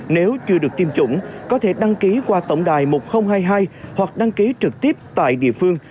nếu chưa được tiêm chủng có thể đăng ký qua tổng đài một nghìn hai mươi hai hoặc đăng ký trực tiếp tại địa phương